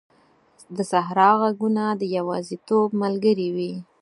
د صحرا ږغونه د یوازیتوب ملګري وي.